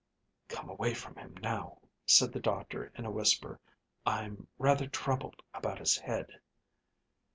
"Come away from him now," said the doctor in a whisper. "I'm rather troubled about his head."